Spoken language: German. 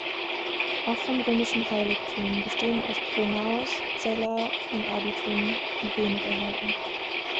Auch vom römischen Heiligtum, bestehend aus Pronaos, Cella und Adyton, blieb wenig erhalten.